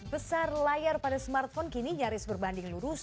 besar layar pada smartphone kini nyaris berbanding lurus